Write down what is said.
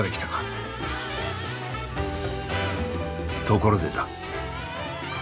ところでだ